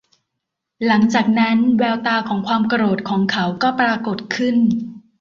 หลัจากนั้น แววตาของความโกรธของเขาก็ปรากฎขึ้น